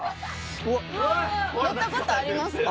うわっ乗ったことありますか？